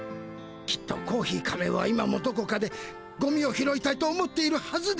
きっとコーヒー仮面は今もどこかでゴミを拾いたいと思っているはずです。